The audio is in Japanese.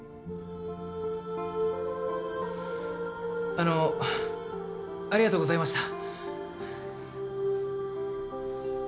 あのありがとうございました。